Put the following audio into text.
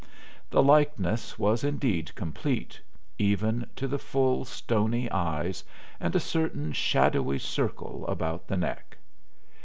The likeness was indeed complete, even to the full, stony eyes, and a certain shadowy circle about the neck.